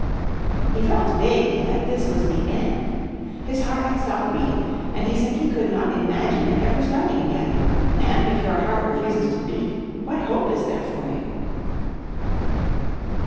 He felt vaguely that this was the end. His heart had stopped beating and he simply could not imagine it ever starting again, and, if your heart refuses to beat, what hope is there for you?